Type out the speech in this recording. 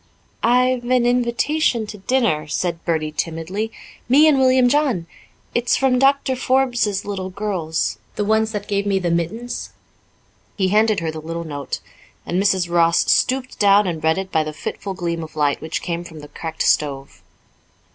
"I've an invitation to dinner," said Bertie timidly, "me and William John. It's from Doctor Forbes's little girls the ones that gave me the mittens." He handed her the little note, and Mrs. Ross stooped down and read it by the fitful gleam of light which came from the cracked stove.